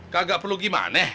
kagak perlu gimana